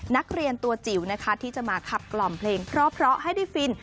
นักเรียนตัวจิ๋วนะคะที่จะมาขับกล่อมเพลงเพราะให้ได้ฟิน